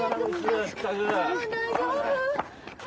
大丈夫？